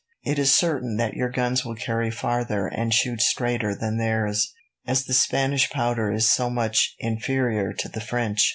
It is certain that your guns will carry farther and shoot straighter than theirs, as the Spanish powder is so much inferior to the French."